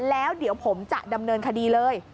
แล้วเดี๋ยวผมจะดำเนินคดีเลย